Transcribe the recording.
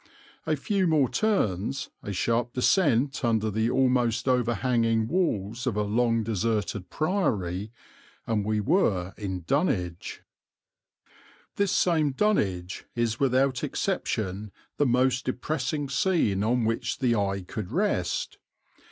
A few more turns, a sharp descent under the almost overhanging walls of a long deserted priory, and we were in Dunwich. [Illustration: DUNWICH AND DESOLATION] This same Dunwich is without exception the most depressing scene on which the eye could rest.